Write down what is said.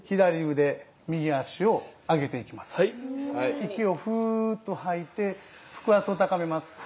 息をフーッと吐いて腹圧を高めます。